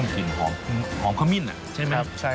กลิ่นหอมขมิ้นใช่ไหมครับ